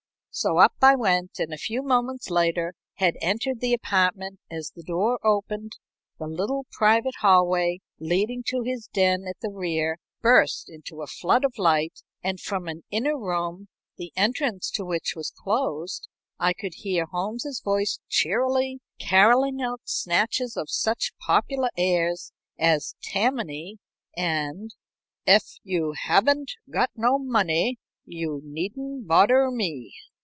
So up I went, and a few moments later had entered the apartment. As the door opened, the little private hallway leading to his den at the rear burst into a flood of light, and from an inner room, the entrance to which was closed, I could hear Holmes's voice cheerily carolling out snatches of such popular airs as "Tammany" and "Ef Yo' Habn't Got No Money Yo' Needn't Bodder Me."